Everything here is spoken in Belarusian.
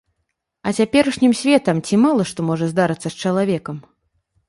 А цяперашнім светам ці мала што можа здарыцца з чалавекам.